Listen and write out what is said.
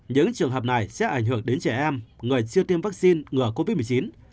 những trường hợp này sẽ ảnh hưởng đến trẻ em người chưa tiêm vaccine ngừa covid một mươi chín